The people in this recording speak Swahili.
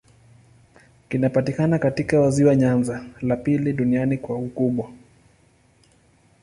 Kinapatikana katika ziwa Nyanza, la pili duniani kwa ukubwa.